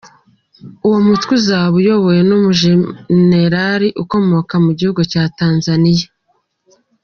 Uwo mutwe uzaba uyobowe n’umujenerali ukomoka mu gihugu cya Tanzaniya.